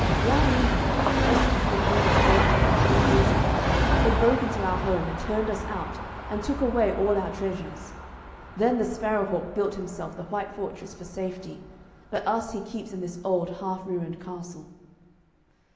One evening, just before Enid's birthday, three years ago, they broke into our home, and turned us out, and took away all our treasures. Then the Sparrow hawk built himself the white fortress for safety, but us he keeps in this old half ruined castle.'